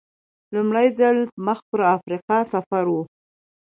لومړی ځل مخ پر افریقا سفر و.